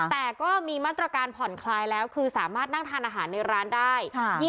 แต่ก็มีมาตรการผ่อนคลายแล้วคือสามารถนั่งทานอาหารในร้านได้